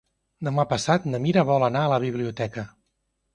Demà passat na Mira vol anar a la biblioteca.